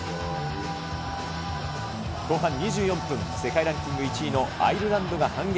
後半２４分、世界ランキング１位のアイルランドが反撃。